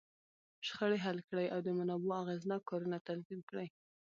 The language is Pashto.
شخړې حل کړي، او د منابعو اغېزناک کارونه تنظیم کړي.